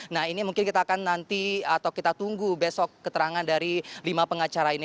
nah ini mungkin kita akan nanti atau kita tunggu besok keterangan dari lima pengacara ini